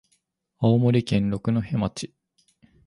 青森県六戸町